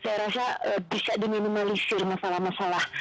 saya rasa bisa diminimalisir masalah masalah